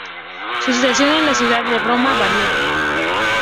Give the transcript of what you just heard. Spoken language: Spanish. Su situación en la ciudad de Roma varió.